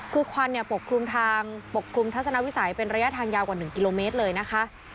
คือควันปกคลุมทางปกคลุมทัศนวิสัยเป็นระยะทางยาวกว่า๑กิโลเมตรเลยนะคะ